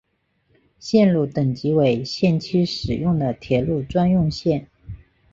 线路等级为限期使用的铁路专用线。